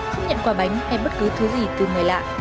không nhận quà bánh hay bất cứ thứ gì từ người lạ